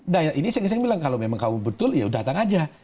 nah ini saya bilang kalau memang kamu betul ya datang aja